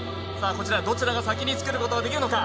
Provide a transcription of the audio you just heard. こちらどちらが先につけることができるのか。